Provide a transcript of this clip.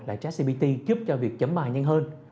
là jack gpt giúp cho việc chấm bài nhanh hơn